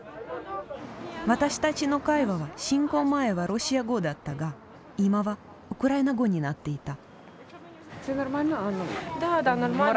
私たちの会話は侵攻前はロシア語だったが今はウクライナ語になっていた。